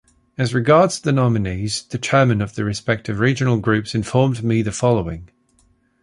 As regards the nominees, the chairmen of the respective regional groups informed me the following.